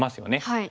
はい。